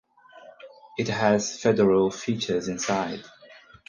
It has Federal features inside.